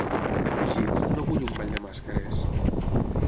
I ha afegit: ‘No vull un ball de màscares’.